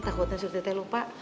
takutnya surty teh lupa